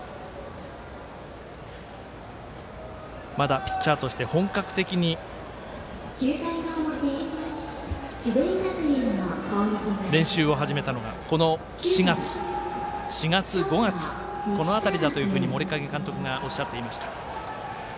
まだピッチャーとして本格的に練習を始めたのがこの４月、５月だというふうに森影監督がおっしゃっていました。